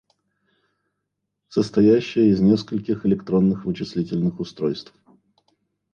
Состоящая из нескольких электронных вычислительных устройств.